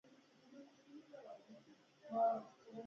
د انحصار مخه نیول شوې؟